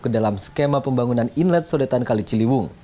ke dalam skema pembangunan inlet sodetan kali ciliwung